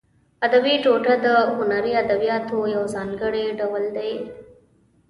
ادبي ټوټه د هنري ادبیاتو یو ځانګړی ډول دی.